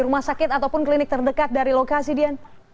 rumah sakit ataupun klinik terdekat dari lokasi dian